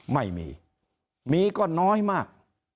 ไม่มีมีก็น้อยมาก